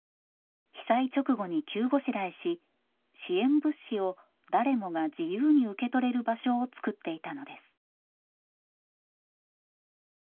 被災直後に急ごしらえし支援物資を誰もが自由に受け取れる場所をつくっていたのです。